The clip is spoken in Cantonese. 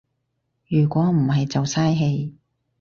如果唔係就嘥氣